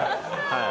はい。